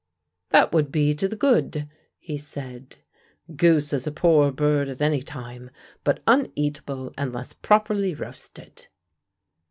"That would be to the good," he said. "Goose is a poor bird at any time, but uneatable unless properly roasted."